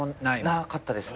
なかったですね。